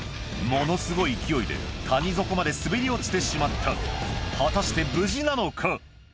ものすごい勢いで谷底まで滑り落ちてしまった果たして無事なのか？